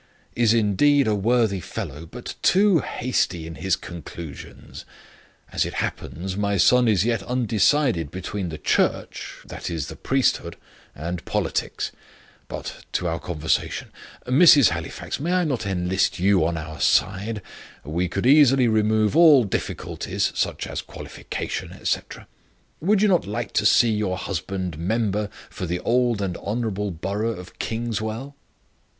is indeed a worthy fellow, but too hasty in his conclusions. As it happens, my son is yet undecided between the Church that is, the priesthood, and politics. But to our conversation Mrs. Halifax, may I not enlist you on my side? We could easily remove all difficulties, such as qualification, etc. Would you not like to see your husband member for the old and honourable borough of Kingswell?"